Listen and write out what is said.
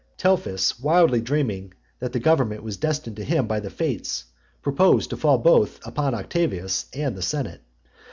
Telephus, wildly dreaming that the government was destined to him by the fates, proposed to fall both upon Octavius and the senate.